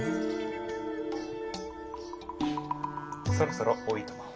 そろそろおいとまを。